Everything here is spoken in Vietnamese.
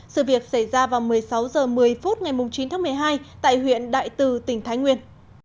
sự việc xảy ra vào một mươi sáu h một mươi phút ngày chín tháng một mươi hai tại huyện đại từ tỉnh thái nguyên